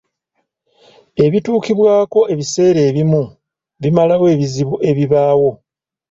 Ebituukibwako ebiseera ebimu bimalawo ebizibu ebibaawo.